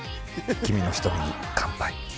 君の瞳に乾杯。